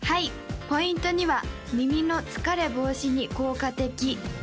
ポイント２は「耳の疲れ防止に効果的」